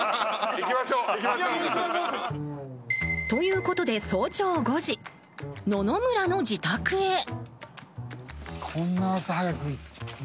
ということで、早朝５時野々村の自宅へ。